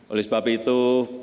oleh sebab itu